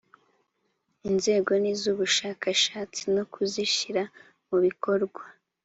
inzego n iz ubushakashatsi no kuzishyira mu bikorwa